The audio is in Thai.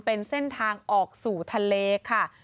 เป็นเส้นทางออกสู่ทะเลค่ะ